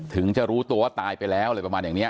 ถึงจะรู้ตัวว่าตายไปแล้วอะไรประมาณอย่างนี้